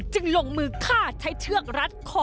จึงลงมือฆ่าใช้เชือกรัดคอ